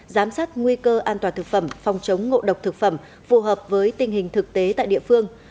giám sát nguy cơ an toàn thực phẩm phòng chống ngộ độc thực phẩm phù hợp với tình hình thực tế tại địa phương